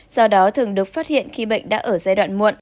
do đó thường được phát hiện khi bệnh đã ở giai đoạn muộn